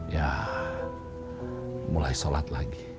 ya mulai sholat lagi